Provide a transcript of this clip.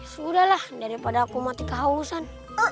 sudah lah daripada aku mati kehalusan